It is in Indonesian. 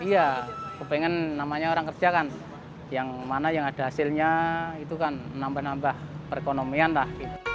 iya kepengen namanya orang kerja kan yang mana yang ada hasilnya itu kan menambah nambah perekonomian lah